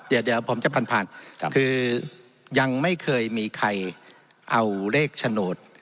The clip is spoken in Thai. เดี๋ยวเดี๋ยวผมจะผ่านผ่านครับคือยังไม่เคยมีใครเอาเลขฉโนต